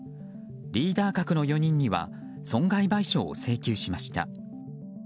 リーダー格の４人には損害賠償を請求しました。